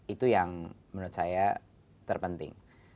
itu yang menurut saya terpenting